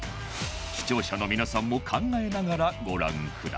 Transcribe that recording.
視聴者の皆さんも考えながらご覧ください